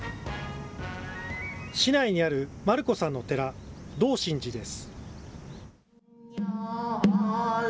市内にある団姫さんの寺、道心寺です。